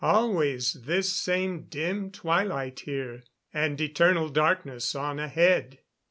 Always this same dim twilight here and eternal darkness on ahead.